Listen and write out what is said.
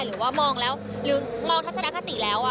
หรือว่ามองแล้วหรือมองทัศนคติแล้ว